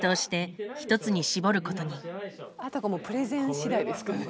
あとはプレゼンしだいですかね。